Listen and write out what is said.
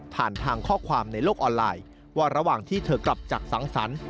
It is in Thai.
ทางข้อความในโลกออนไลน์ว่าระหว่างที่เธอกลับจากสังสรรค์